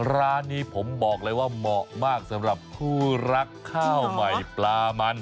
ร้านนี้ผมบอกเลยว่าเหมาะมากสำหรับคู่รักข้าวใหม่ปลามัน